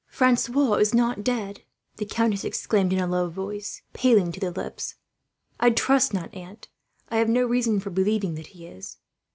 "Francois is not dead?" the countess exclaimed in a low voice, paling to the lips. "I trust not, aunt. I have no reason for believing that he is."